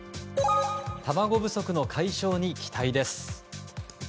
卵不足の解消に期待です。